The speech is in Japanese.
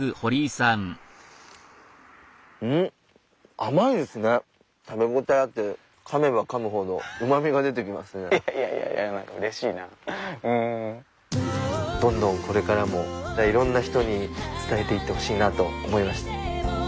どんどんこれからもいろんな人に伝えていってほしいなと思いました。